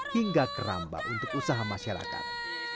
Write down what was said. hingga keramba untuk usaha masyarakat